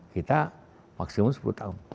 kita maksimum sepuluh tahun